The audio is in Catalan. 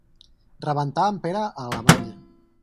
Rebentar en Pere a Alemanya.